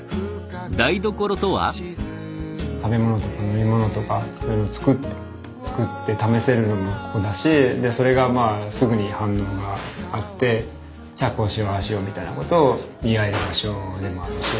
食べ物とか飲み物とかそういうのを作って試せるのもここだしでそれがまあすぐに反応があってじゃあこうしようああしようみたいなことを言い合える場所でもあるし。